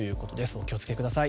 お気をつけください。